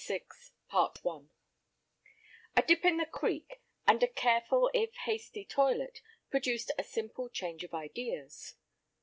CHAPTER VI A DIP in the creek, and a careful if hasty toilet, produced a complete change of ideas.